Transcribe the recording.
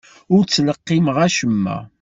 Ur ttleqqimeɣ acemma.